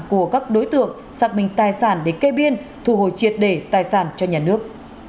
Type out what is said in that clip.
của các đối tượng xác minh tài sản để cây biên thu hồi triệt đề tài sản cho nhà nước